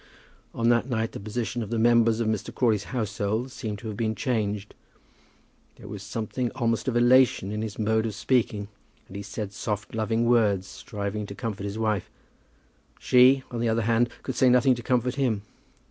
On that night the position of the members of Mr. Crawley's household seemed to have been changed. There was something almost of elation in his mode of speaking, and he said soft loving words, striving to comfort his wife. She, on the other hand, could say nothing to comfort him.